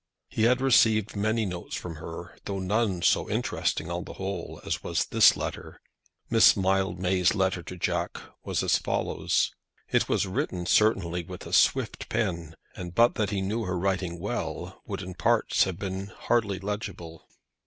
He had received many notes from her, though none so interesting on the whole as was this letter. Miss Mildmay's letter to Jack was as follows. It was written, certainly, with a swift pen, and, but that he knew her writing well, would in parts have been hardly legible.